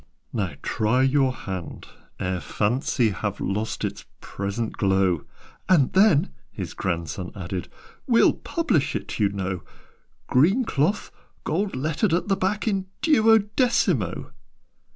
"Now try your hand, ere Fancy Have lost its present glow " "And then," his grandson added, "We'll publish it, you know: Green cloth gold lettered at the back In duodecimo!"